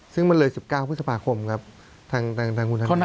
ซึ่งมันเลย๑๙พฤษภาคมครับทางทางทางคุณธนาฬิกา